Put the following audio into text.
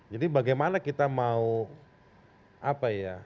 jadi bagaimana kita mau apa ya